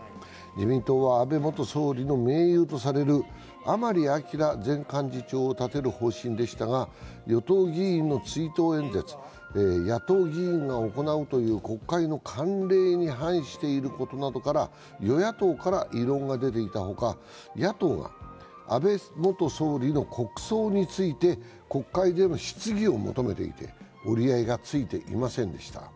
自民党は安倍元総理の盟友とされる甘利明前幹事長を立てる方針でしたが与党議員の追悼演説は野党議員が行うという国会の慣例に反していることなどから、与野党から異論が出ていたほか、野党が安倍元総理の国葬について国会での質疑を求めていて折り合いがついていませんでした。